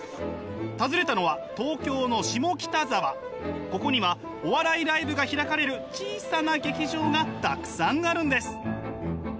訪ねたのはここにはお笑いライブが開かれる小さな劇場がたくさんあるんです。